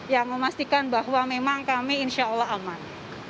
yang memastikan bahwa memang kami insya allah aman